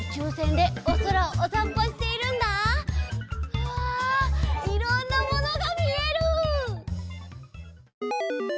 うわいろんなものがみえる！